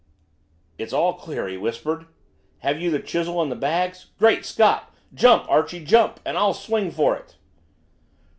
"It's all clear," he whispered. "Have you the chisel and the bags? Great Scott! Jump, Archie, jump, and I'll swing for it!"